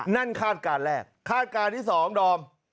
คาดการณ์แรกคาดการณ์ที่๒ดอม